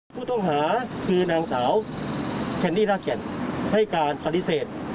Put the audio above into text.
ผู้ต้องหาคือนางสาวแคนดี้รากแก่นให้การปฏิเสธ